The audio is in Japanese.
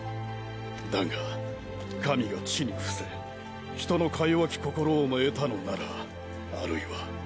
だが神が地に伏せ人のか弱き心をも得たのなら或いは。